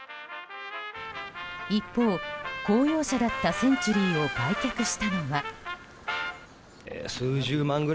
一方、公用車だったセンチュリーを売却したのは。